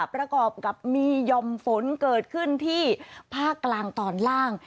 ประกอบกับมีย่อมฝนเกิดขึ้นที่ภาคกลางตอนล่าง